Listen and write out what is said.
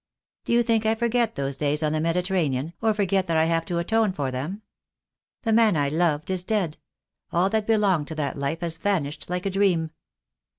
Do you think I forget those days on the Mediterranean, or forget that I have to atone for them? The man I loved is dead — all that belonged to that life has vanished like a dream."